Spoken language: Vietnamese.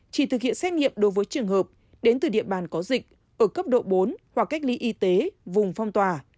chỉ thực hiện xét nghiệm đối với trường hợp đến từ địa bàn có dịch ở cấp độ bốn hoặc cách ly y tế vùng phong tỏa